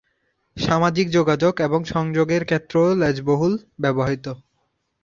সামাজিক যোগাযোগ এবং সংযোগের ক্ষেত্রেও লেজ বহুল ব্যবহৃত।